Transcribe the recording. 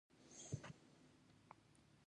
د هندوستان یوه مشر هم پېشکشونه نه وو وړاندي کړي.